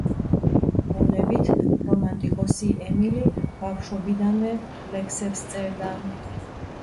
ბუნებით რომანტიკოსი ემილი ბავშვობიდანვე ლექსებს წერდა.